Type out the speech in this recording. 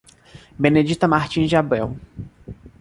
Benedita Martins de Abreu